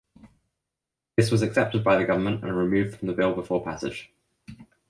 This was accepted by the government and removed from the bill before passage.